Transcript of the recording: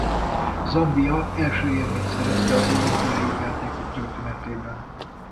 Zambia első érmét szerezte az olimpiai játékok történetében.